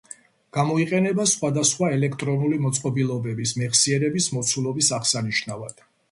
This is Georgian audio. გამოიყენება სხვადასხვა ელექტრონული მოწყობილობების მეხსიერების მოცულობის აღსანიშნავად.